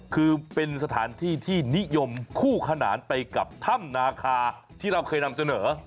คือเป็นสถานที่ที่นิยมคู่ขนานไปกับถ้ำนาคาที่เราเคยนำเสนอ